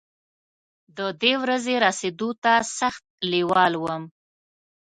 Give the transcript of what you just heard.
د دې ورځې رسېدو ته سخت لېوال وم.